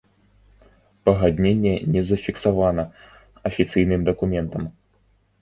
Пагадненне не зафіксавана афіцыйным дакументам.